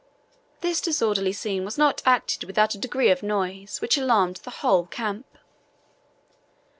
This disorderly scene was not acted without a degree of noise, which alarmed the whole camp.